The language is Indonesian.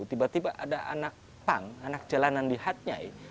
tiba tiba ada anak pang anak jalanan di hatyai